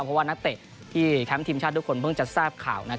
เพราะว่านักเตะที่แคมป์ทีมชาติทุกคนเพิ่งจะทราบข่าว